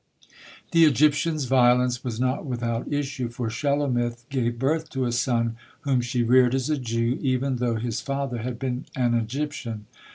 The Egyptian's violence was not without issue, for Shelomith gave birth to a son whom she reared as a Jew, even though his father had been and Egyptian.